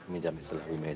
minjam istilah bu mekah